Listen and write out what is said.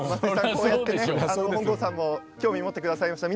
こうやって本郷さんも興味を持ってくれました。